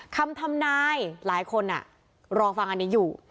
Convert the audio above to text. ทำนายหลายคนรอฟังอันนี้อยู่